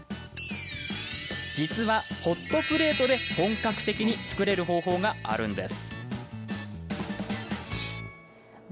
実は、ホットプレートで本格的に作れる方法があるんです。